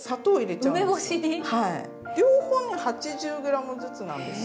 両方ね８０ｇずつなんです。